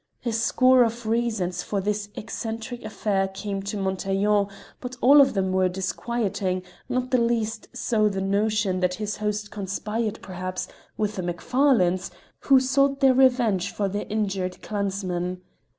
A score of reasons for this eccentric affair came to Montaiglon, but all of them were disquieting, not the least so the notion that his host conspired perhaps with the Macfarlanes, who sought their revenge for their injured clansman.